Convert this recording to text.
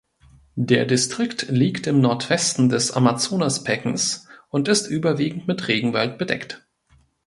Der Distrikt liegt im Nordwesten des Amazonasbeckens und ist überwiegend mit Regenwald bedeckt.